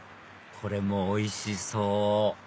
これもおいしそう！